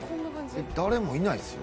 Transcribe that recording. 誰もいないですよ